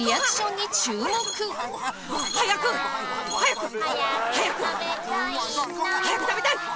早く食べたいな。